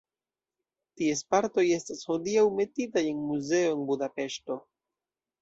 Ties partoj estas hodiaŭ metitaj en muzeo en Budapeŝto.